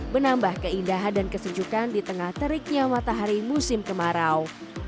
menambah keindahan dan kesejukan di tengah teriknya matahari musim kemarau